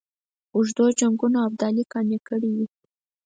اوږدو جنګونو ابدالي قانع کړی وي.